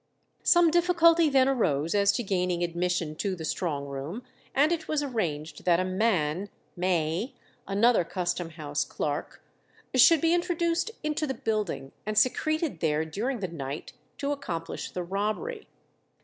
Some difficulty then arose as to gaining admission to the strong room, and it was arranged that a man, May, another Custom House clerk, should be introduced into the building, and secreted there during the night to accomplish the robbery.